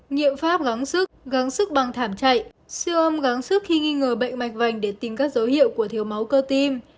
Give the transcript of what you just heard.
nhiệm pháp gắng sức gắng sức bằng thảm chạy siêu âm gắng sức khi nghi ngờ bệnh mạch vành để tìm các dấu hiệu của thiếu máu cơ tim